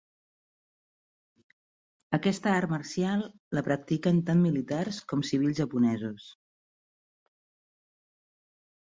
Aquesta art marcial la practiquen tant militars com civils japonesos.